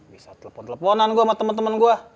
bisa telepon teleponan gua sama temen temen gua